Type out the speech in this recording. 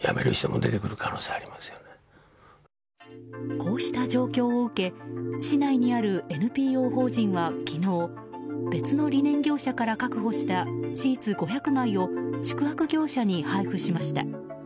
こうした状況を受け市内にあるＮＰＯ法人は昨日別のリネン業者から確保したシーツ５００枚を宿泊業者に配布しました。